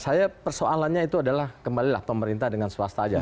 saya persoalannya itu adalah kembalilah pemerintah dengan swasta aja